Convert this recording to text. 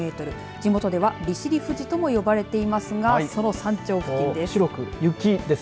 地元では利尻富士とも呼ばれていますがその山頂付近です。